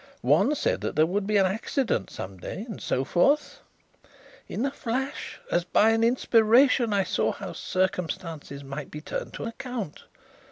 One said that there would be an accident some day, and so forth. In a flash as by an inspiration I saw how the circumstance might be turned to account.